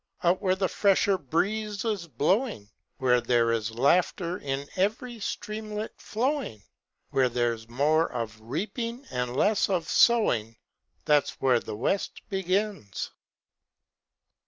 Out where a fresher breeze is blowing, Where there is laughter in every streamlet flowing, Where there's more of reaping and less of sowing, That's where the West begins.